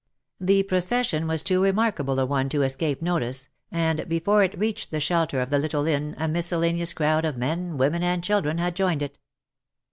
The procession was too remarkable a one to escape notice, and before it reached the shelter of the little inn a miscellaneous crowd of men, women, and children had joined it.